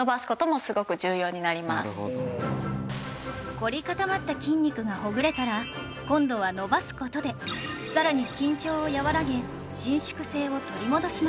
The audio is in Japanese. こり固まった筋肉がほぐれたら今度は伸ばす事でさらに緊張を和らげ伸縮性を取り戻します